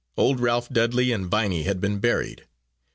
Old Ralph Dudley and Viney had been buried.